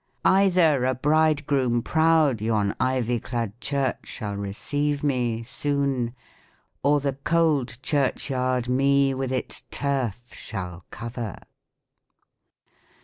Either a bridegroom proud yon ivy clad church shall receive me Soon ; or the cold church yard me with its turf shall cover."